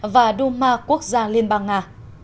và đu ma quốc gia liên bang nga